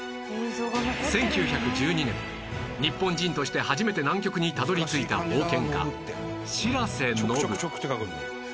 １９１２年日本人として初めて南極にたどり着いた冒険家白瀬矗